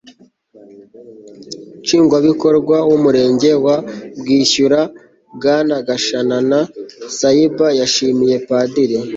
nshingwabikorwa w'umurenge wa bwishyura, bwana gashanana saiba. yashimiye padiri